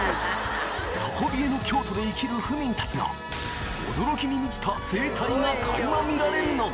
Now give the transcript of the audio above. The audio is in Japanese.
底冷えの京都で生きる府民たちの驚きに満ちた生態が垣間見られるのだ！